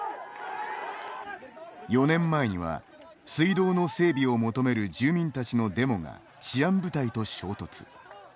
４年前には、水道の整備を求める住民たちのデモが治安部隊と衝突。